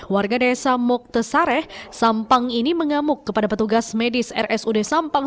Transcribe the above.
warga desa moktesareh sampang ini mengamuk kepada petugas medis rsud sampang